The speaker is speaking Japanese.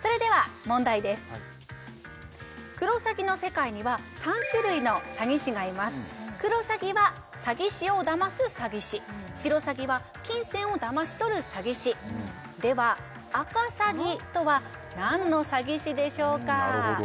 それでは問題です「クロサギ」の世界には３種類の詐欺師がいますクロサギは詐欺師をだます詐欺師シロサギは金銭をだまし取る詐欺師ではアカサギとは何の詐欺師でしょうか？